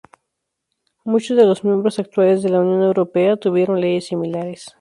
Muchos de los miembros actuales de la Unión Europea tuvieron leyes similares".